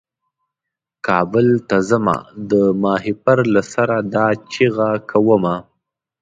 کابل ته ځمه د ماهیپر له سره دا چیغه کومه.